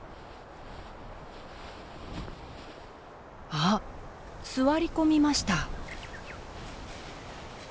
あっ座り込みました。